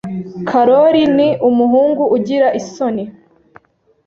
Karoli ni umuhungu ugira isoni.